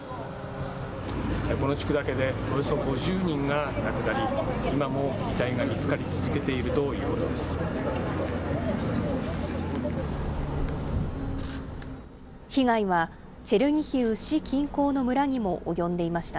この地区だけでおよそ５０人が亡くなり、今も遺体が見つかり続けているということです。